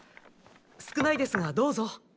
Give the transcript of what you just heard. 少ないですがどうぞ。